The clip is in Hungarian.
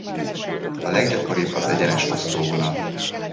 A leggyakoribb az egyenes osztóvonal.